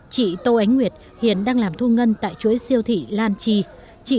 chị tô ánh nguyệt hiện đang làm thu ngân tại chuối siêu thị lan trì